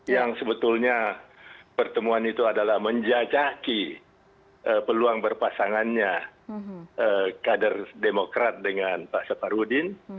yang sebetulnya pertemuan itu adalah menjajaki peluang berpasangannya kader demokrat dengan pak saparudin